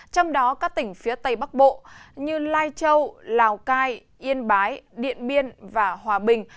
trong đó các tỉnh phía tây bắc bộ như lai châu lào cai yên bái điện biên và hòa bình